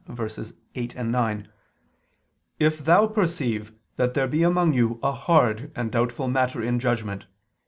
17:8, 9): "If thou perceive that there be among you a hard and doubtful matter in judgment